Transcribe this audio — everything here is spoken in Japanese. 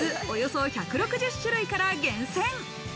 およそ１６０種類から厳選。